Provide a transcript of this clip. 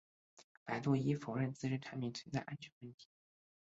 百度已否认自身产品存在安全问题。